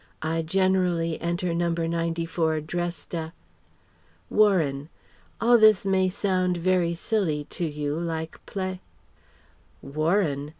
I generally enter No. 94 dressed a Warren. All this may sound very silly to you, like pla "Warren!"